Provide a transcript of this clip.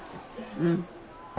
うん。